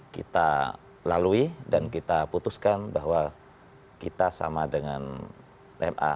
kita lalui dan kita putuskan bahwa kita sama dengan ma